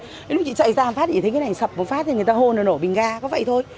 thế lúc chị chạy ra một phát thì chị thấy cái này sập một phát thì người ta hôn nó nổ bình ga có vậy thôi